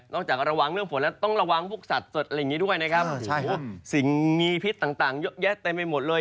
มีพิษต่างเยอะแยะเต็มไปหมดเลย